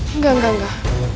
enggak enggak enggak